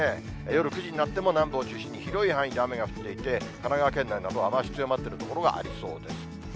夜９時になっても南部を中心に広い範囲で雨が降っていて、神奈川県内などは雨足強まっている所がありそうです。